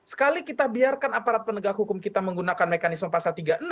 sekali kita biarkan aparat penegak hukum kita menggunakan mekanisme pasal tiga puluh enam